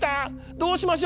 どうしましょう。